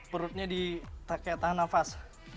perutnya ditahan nafas